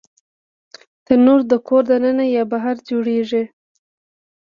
تنور د کور دننه یا بهر جوړېږي